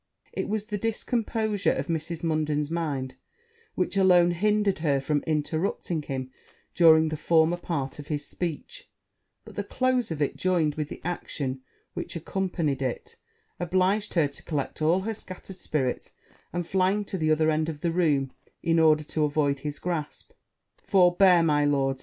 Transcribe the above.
It was the discomposure of Mrs. Munden's mind which alone hindered her from interrupting him during the former part of his speech; but the close of it, joined with the action which accompanied it, obliged her to collect all her scattered spirits; and flying to the other end of the room, in order to avoid his grasp, 'Forbear, my lord!'